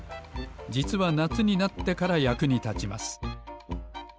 じつはなつになってからやくにたちます。